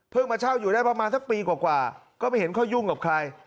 เพิ่งมาเช่าอยู่ได้ประมาณสักปีกว่ากว่าก็ไม่เห็นค่อยยุ่งกับใคร